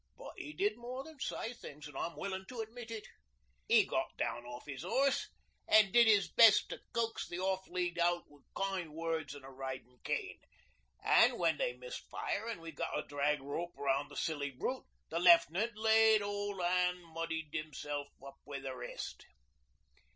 But 'e did more than say things, an' I'm willin' to admit it. 'E got down off his horse an' did 'is best to coax the off lead out wi' kind words an' a ridin' cane. An' when they missed fire an' we got a drag rope round the silly brute the Left'nant laid 'old an' muddied himself up wi' the rest.